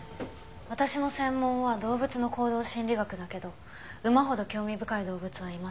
私の専門は動物の行動心理学だけど馬ほど興味深い動物はいません。